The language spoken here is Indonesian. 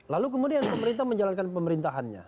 lalu kemudian pemerintah menjalankan pemerintahannya